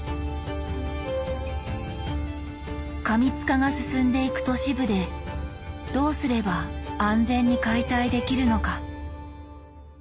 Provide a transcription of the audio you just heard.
過密化が進んでいく都市部でどうすれば安全に解体できるのか？